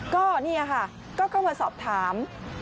ก็นี่ค่ะก็เข้ามาสอบถาม